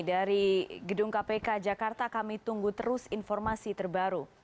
dari gedung kpk jakarta kami tunggu terus informasi terbaru